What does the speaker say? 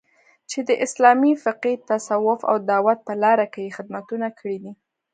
چې د اسلامي فقې، تصوف او دعوت په لاره کې یې خدمتونه کړي دي